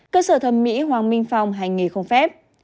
cơ sở thẩm mỹ hoàng minh phong hành nghề không phép